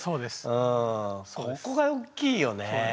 うんそこが大きいよね。